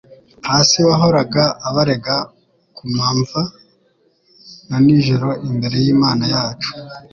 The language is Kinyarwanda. hasi, wahoraga abarega ku mamva na nijoro imbere y'Imana yacu.'»